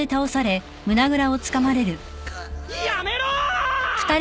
やめろー！！